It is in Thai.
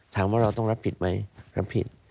ถามว่าเราต้องรับผิดไหมรับผิด